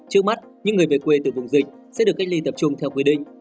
trước mắt những người về quê từ vùng dịch sẽ được cách ly tập trung theo quy định